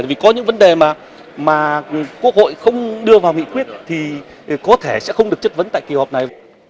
vì có những vấn đề mà quốc hội không đưa vào nghị quyết thì có thể sẽ không được chất vấn tại kỳ họp này